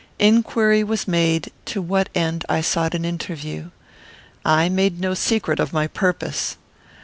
Inquiry was made to what end I sought an interview. I made no secret of my purpose.